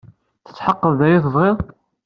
Tetḥeqqeḍ d aya ay tebɣiḍ?